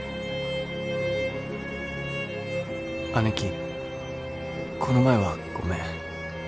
姉貴この前はごめん。